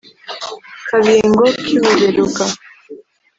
kabingo k’i buberuka